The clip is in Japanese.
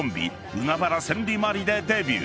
海原千里・万里でデビュー］